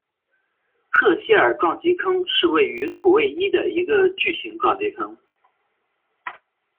赫歇尔撞击坑是位于土卫一的一个巨型撞击坑。